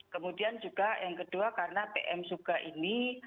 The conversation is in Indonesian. kemudian juga yang kedua karena pm suga ini